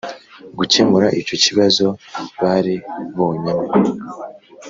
gukemura icyo kibazo bari bonyine